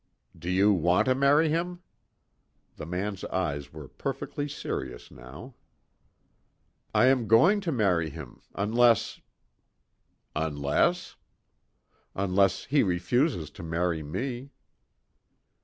"Do you want to marry him?" The man's eyes were perfectly serious now. "I am going to marry him unless " "Unless?" "Unless he refuses to marry me."